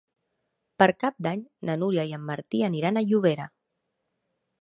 Per Cap d'Any na Núria i en Martí aniran a Llobera.